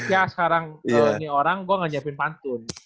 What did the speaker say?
ya sekarang kalau nyiap orang gue gak nyiapin pantun